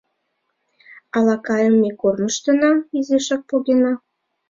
— Ала кайыме корныштына изишак погена?